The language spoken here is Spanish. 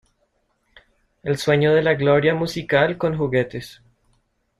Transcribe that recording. El sueño de la gloria musical con juguetes.